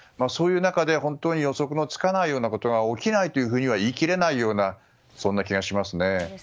そういう中で本当に予測のつかないようなことが起きないというふうには言い切れないような気がしますね。